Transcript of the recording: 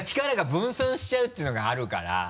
力が分散しちゃうっていうのがあるから。